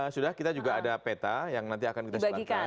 sudah kita juga ada peta yang nanti akan kita silakan